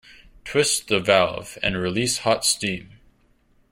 Twist the valve and release hot steam.